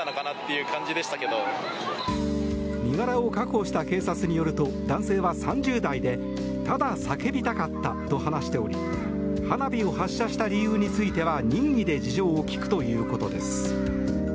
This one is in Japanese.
身柄を確保した警察によると男性は３０代でただ叫びたかったと話しており花火を発射した理由については任意で事情を聴くということです。